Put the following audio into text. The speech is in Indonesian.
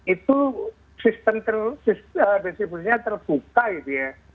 itu sistem terlalu sistem resipusnya terbuka gitu ya